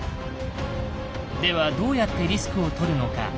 ではどうやってリスクをとるのか？